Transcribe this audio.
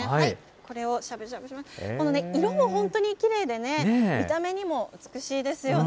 この色も本当にきれいでね、見た目にも美しいですよね。